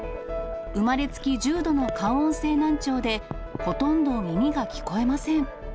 生まれつき、重度の感音性難聴で、ほとんど耳が聞こえません。